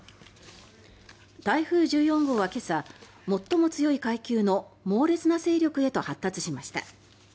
台風１４号は今朝最も強い階級の猛烈な勢力へと発達しました。